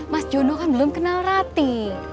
mas jono kan belum kenal rati